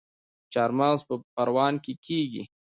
چارمغز په پروان کې کیږي